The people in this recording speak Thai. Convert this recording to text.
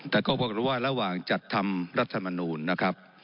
แต่ก็พอรู้ว่าระหว่างจัดทำรัฐมนูลนะครับ